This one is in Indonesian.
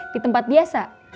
di tempat biasa